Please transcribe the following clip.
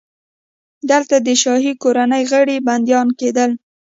دلته د شاهي کورنۍ غړي بندیان کېدل.